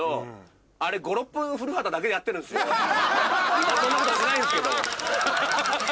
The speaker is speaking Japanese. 今そんなことはしないんですけど。